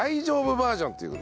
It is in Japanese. バージョンという事で。